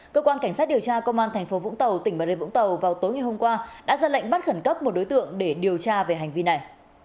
cơ quan cảnh sát điều tra công an tp vũng tàu tỉnh bà rê vũng tàu vào tối ngày hôm qua đã ra lệnh bắt khẩn cấp một đối tượng để điều tra về hành vi này